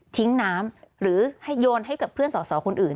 น้ำหรือให้โยนให้กับเพื่อนสอสอคนอื่น